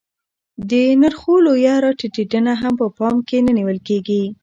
د نرخو لویه راټیټېدنه هم په پام کې نه نیول کېږي